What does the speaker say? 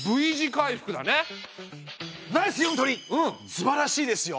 すばらしいですよ。